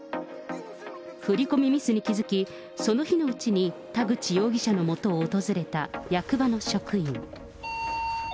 振り込みミスに気付き、その日のうちに、田口容疑者のもとを訪れた役場の職員。